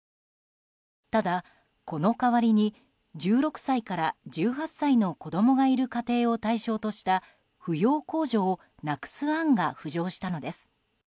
ただ、この代わりに１６歳から１８歳の子供がいる家庭を対象とした扶養控除をなくす案が浮上したのです。